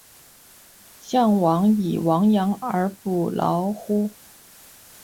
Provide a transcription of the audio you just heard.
将必俟亡羊而始补牢乎！